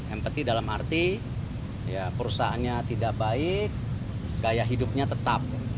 empati dalam arti perusahaannya tidak baik gaya hidupnya tetap